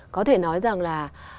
có thể nói rằng là